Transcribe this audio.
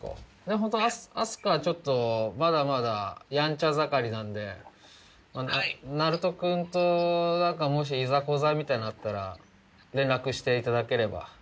ホント明日香ちょっとまだまだヤンチャ盛りなんでなるとくんと何かもしいざこざみたいなのあったら連絡していただければ。